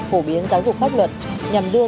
phổ biến giáo dục pháp luật nhằm đưa